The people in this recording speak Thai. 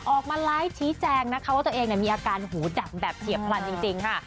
ออกมาไลฟ์ชี้แจงนะคะว่าตัวเองมีอาการหูดับแบบเฉียบพลันจริงค่ะ